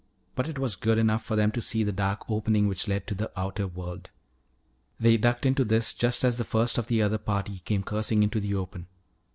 But it was good enough for them to see the dark opening which led to the outer world. They ducked into this just as the first of the other party came cursing into the open.